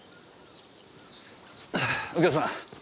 右京さん。